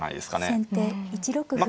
先手１六歩。